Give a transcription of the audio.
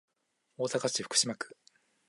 大阪市福島区